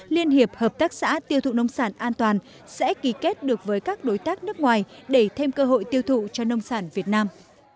liên hiệp hợp tác xã tiêu thụ nông sản an toàn sẽ ký kết được với các đối tác nước ngoài để thêm cơ hội tiêu thụ cho nông sản việt nam